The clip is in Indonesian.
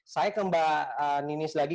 saya ke mbak ninis lagi